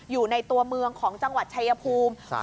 อยู่ในตัวเมืองของจังหวัดชายภูมิ